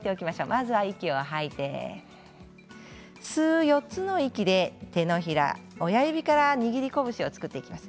まずは息を吐いて吸う４つの息で手のひら親指から握り拳を作っていきます。